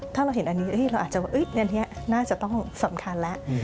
ถ้าเราเห็นอันนี้เราอาจจะว่าอันนี้น่าจะต้องสำคัญแล้ว